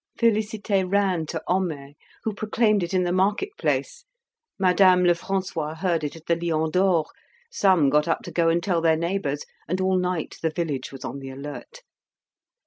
Félicité ran to Homais, who proclaimed it in the market place; Madame Lefrancois heard it at the "Lion d'Or"; some got up to go and tell their neighbours, and all night the village was on the alert.